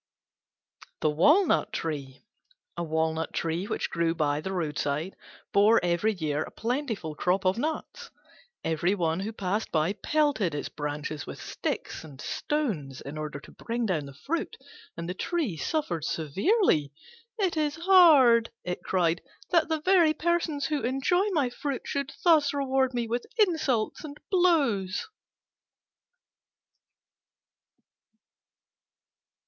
THE WALNUT TREE A Walnut tree, which grew by the roadside, bore every year a plentiful crop of nuts. Every one who passed by pelted its branches with sticks and stones, in order to bring down the fruit, and the tree suffered severely. "It is hard," it cried, "that the very persons who enjoy my fruit should thus reward me with insults and blows."